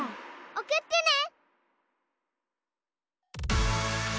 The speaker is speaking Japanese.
おくってね！